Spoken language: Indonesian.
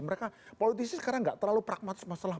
mereka politisi sekarang nggak terlalu pragmatis masalah